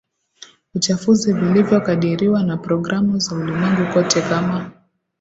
uchafuzi vilivyokadiriwa na programu za ulimwenguni kote km